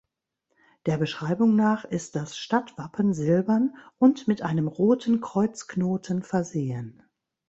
Der Beschreibung nach ist das Stadtwappen silbern und mit einem roten Kreuzknoten versehen.